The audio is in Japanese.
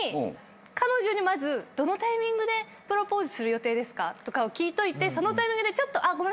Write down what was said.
彼女にまず「どのタイミングでプロポーズする予定ですか？」とかを聞いといてそのタイミングで「ごめんなさい。